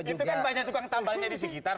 itu kan banyak tukang tambalnya di sekitar